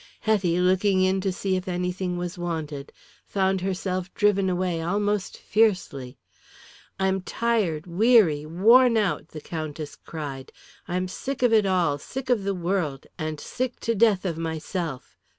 Hetty, looking in to see if anything was wanted, found herself driven away almost fiercely. "I am tired, weary, worn out," the Countess cried. "I am sick of it all, sick of the world, and sick to death of myself.